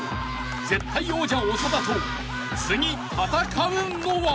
絶対王者長田と次戦うのは］